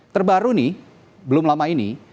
terbaru nih belum lama ini